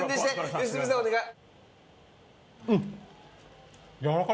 良純さんお願い！